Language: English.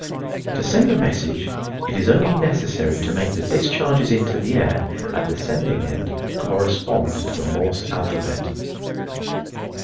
To send a message it is only necessary to make the discharges into the air, at the sending end, correspond to the Morse alphabet.